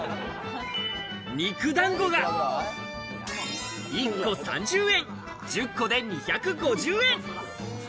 肉団子が１個３０円、１０個で２５０円。